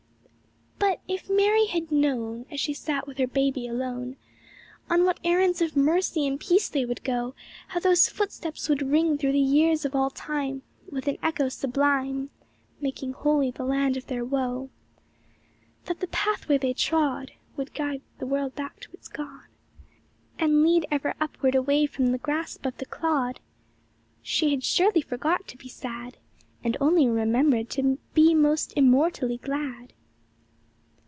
But — if Mary had known. As she sat with her Baby alone. On what errands of mercy and peace they would go. How those footsteps would ring through the years of all time With an echo sublime. Making holy the land of their woe. That the pathway they trod Would guide the world back to its God, And lead ever upward away from the grasp of the clod, She had surely forgot to be sad And only remembered to be most immortally glad